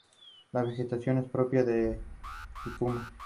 Sin embargo, en el episodio "Do You See What I See?